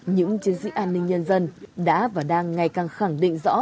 những chiến sĩ an ninh nhân dân đã và đang ngày càng khẳng định rõ